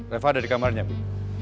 reva ada di kamarnya bu